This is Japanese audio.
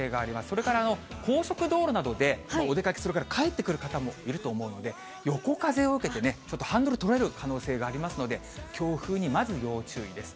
それから高速道路などでお出かけする方、帰ってくる方もいると思うので、横風を受けてちょっとハンドル、取られる可能性がありますので、強風にまず要注意です。